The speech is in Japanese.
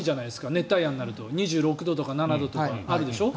熱帯夜になると２６度とか２７度とかあるでしょ。